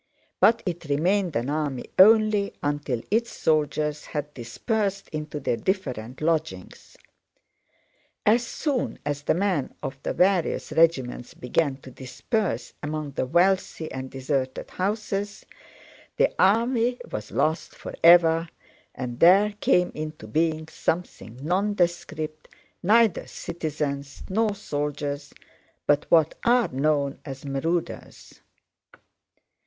But it remained an army only until its soldiers had dispersed into their different lodgings. As soon as the men of the various regiments began to disperse among the wealthy and deserted houses, the army was lost forever and there came into being something nondescript, neither citizens nor soldiers but what are known as marauders.